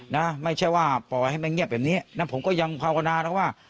นะไม่ใช่ว่าปล่อยให้มันเงียบแบบนี้นะผมก็ยังภาวนานะว่า